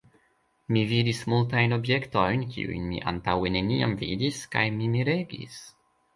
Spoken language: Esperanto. Mi vidis multajn objektojn, kiujn mi antaŭe neniam vidis, kaj mi miregis.